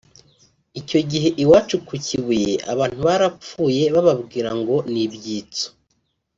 Icyo gihe iwacu ku Kibuye abantu barapfuye bababwira ngo ni ibyitso